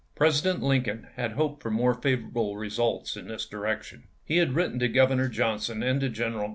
President Lincoln had hoped for more favorable results in this direction. TENNESSEE FKEE 439 He had wi'itten to G overnor Johnson and to General ch.